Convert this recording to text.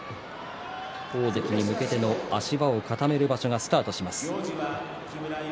大関に向けての足場を固める場所がスタートします。